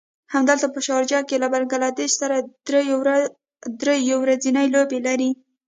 همدلته په شارجه کې له بنګله دېش سره دری يو ورځنۍ لوبې لري.